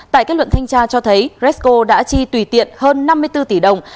tại kết luận thanh tra cho thấy resco đã chi tùy tiện hơn năm mươi bốn tỷ đồng